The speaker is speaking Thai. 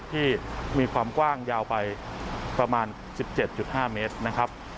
ที่มีความกว้างยาวไปประมาณ๑๗๕เมตรนะครับ